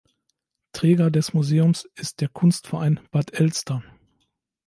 Träger des Museums ist der Kunstverein Bad Elster.